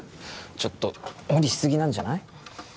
ちょっと無理しすぎなんじゃない？